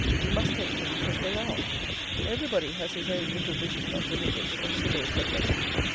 We must take things as they are. Everybody has his own little vision of religious or civil perfection.